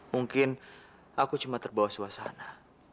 mungkin aku cuma terbawa suasana